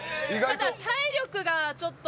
ただ体力がちょっと。